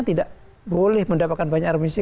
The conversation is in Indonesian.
tidak boleh mendapatkan banyak remisi